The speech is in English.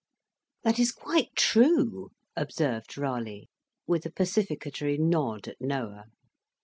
"That is quite true," observed Raleigh, with a pacificatory nod at Noah.